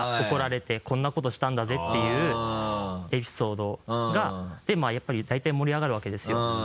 怒られてこんなことしたんだぜていうエピソードでやっぱり大体盛り上がるわけですよ。